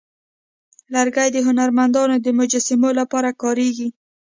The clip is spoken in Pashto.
لرګی د هنرمندانو د مجسمو لپاره کارېږي.